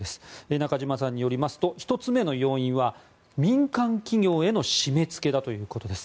中嶋さんによりますと１つ目の要因は民間企業への締め付けだということです。